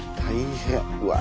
うわ！